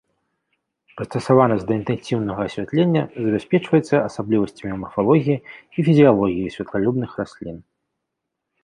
Прыстасаванасць да інтэнсіўнага асвятлення забяспечваецца асаблівасцямі марфалогіі і фізіялогіі святлалюбных раслін.